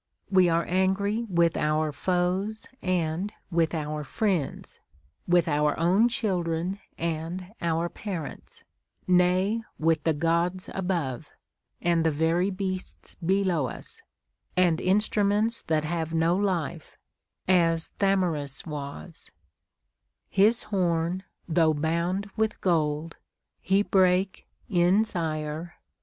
AVe are angry with our foes and with our friends ; with our own children and our parents ; nay, with the Gods above, and the very beasts below us, and instruments that have no life, as Thamyras was, — His horn, though bound with gold, lie brake in's ire.